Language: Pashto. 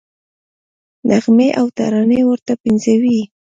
نغمې او ترانې ورته پنځوي.